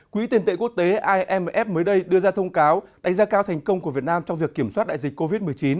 quỹ tiền tệ quốc tế imf mới đây đưa ra thông cáo đánh giá cao thành công của việt nam trong việc kiểm soát đại dịch covid một mươi chín